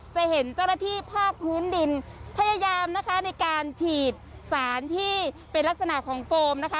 จะเห็นเจ้าหน้าที่ภาคพื้นดินพยายามนะคะในการฉีดสารที่เป็นลักษณะของโฟมนะคะ